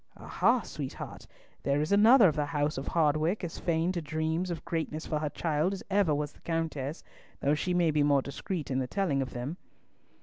Ah ha, sweetheart, there is another of the house of Hardwicke as fain to dreams of greatness for her child as ever was the Countess, though she may be more discreet in the telling of them."